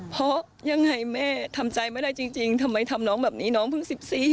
เพราะยังไงแม่ทำใจไม่ได้จริงทำไมทำน้องแบบนี้น้องเพิ่ง๑๔